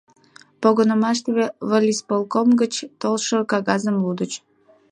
Погынымаште волисполком гыч толшо кагазым лудыч.